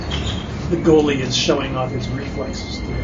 The goalie is showing off his reflexes today.